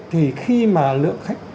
thì khi mà lượng khách